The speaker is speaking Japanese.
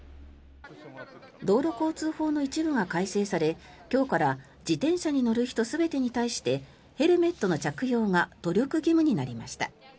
道路交通法の一部が改正され今日から自転車に乗る人全てに対してヘルメットの着用が努力義務になりました。